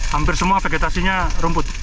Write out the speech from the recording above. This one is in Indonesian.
hampir semua vegetasinya rumput